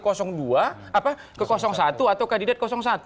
ke satu atau kandidat satu